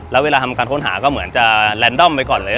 แล้วเวลาทำการค้นหาก็เหมือนจะแลนดอมไปก่อนเลย